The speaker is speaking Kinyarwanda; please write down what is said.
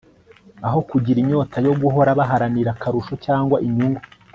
aho kugira inyota yo guhora baharanira akarusho cg inyungu